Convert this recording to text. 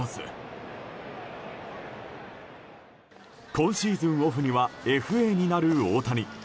今シーズンオフにはＦＡになる大谷。